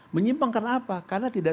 menyimpang karena apa karena tidak